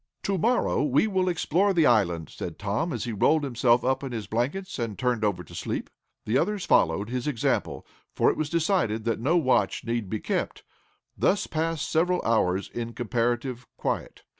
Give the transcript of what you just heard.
"To morrow we will explore the island," said Tom, as he rolled himself up in his blankets and turned over to sleep. The others followed his example, for it was decided that no watch need be kept. Thus passed several hours in comparative quiet.